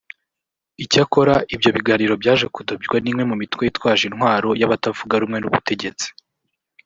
Icyakora ibyo biganiro byaje kudobywa n’imwe mu mitwe yitwaje intwaro y’abatavuga rumwe n’ubutegetsi